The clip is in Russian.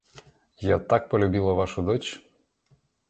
Я так полюбила вашу дочь.